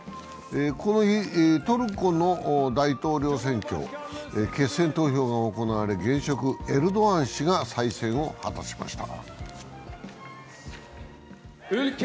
この日、トルコの大統領選挙決選投票が行われ現職のエルドアン氏が再選を果たしました。